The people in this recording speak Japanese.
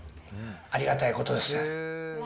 ありがたいことです。